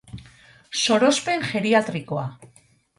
Sorospen geriatrikoa.